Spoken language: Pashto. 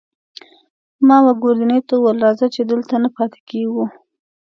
ما وه ګوردیني ته وویل: راځه، چې دلته نه پاتې کېږو.